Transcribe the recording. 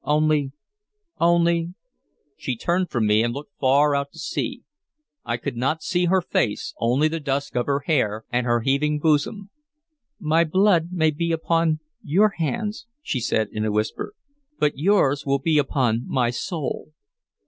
Only only" She turned from me and looked far out to sea. I could not see her face, only the dusk of her hair and her heaving bosom. "My blood may be upon your hands," she said in a whisper, "but yours will be upon my soul."